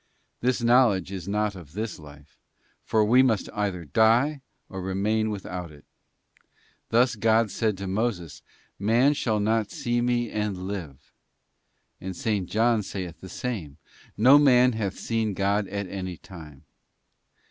This knowledge is not of this life, for we must either die, or remain without it. Thus God said to Moses, ' Man shall not see me and live.'§ And S. John saith the same, 'No man hath seen God at any time.